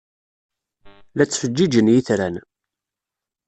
La ttfeǧǧiǧen yitran.